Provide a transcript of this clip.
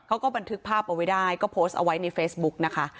เขาก็บันทึกภาพเอาไว้ได้ก็โพสต์เอาไว้ในเฟซบุ๊กนะคะ